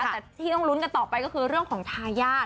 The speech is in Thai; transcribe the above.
แต่ที่ต้องลุ้นกันต่อไปก็คือเรื่องของทายาท